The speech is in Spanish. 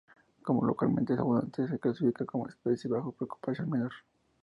Como localmente es abundante se clasifica como especie bajo preocupación menor.